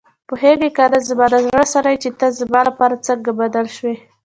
پوهېږې کنه زما د زړه سره چې ته زما لپاره څنګه بدل شوې.